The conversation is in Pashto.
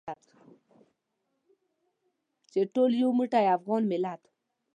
چې ټول یو موټی افغان ملت.